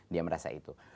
dia merasa itu